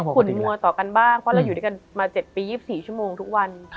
ฝุ่นมัวต่อกันบ้างเพราะเราอยู่ด้วยกันมา๗ปี๒๔ชั่วโมงทุกวัน